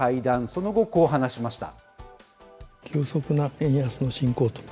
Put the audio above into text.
その後、こう話しました。